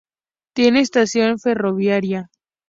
Tiene estación ferroviaria.